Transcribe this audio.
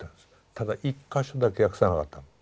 ただ１か所だけ訳さなかったの。